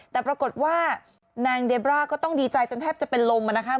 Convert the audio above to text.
แต่ปรากฏว่านางเดบร่าก็ต้องดีใจจนแทบจะเป็นลมนะคะ